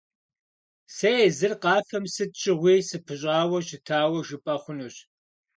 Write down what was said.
Сэ езыр къафэм сыт щыгъуи сыпыщӀауэ щытауэ жыпӀэ хъунущ.